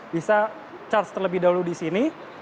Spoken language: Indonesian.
bisa charge terlebih dahulu di sini